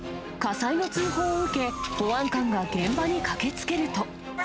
火災の通報を受け、保安官が現場に駆けつけると。